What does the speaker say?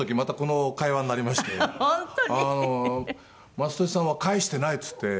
「雅俊さんは返してない」っつって。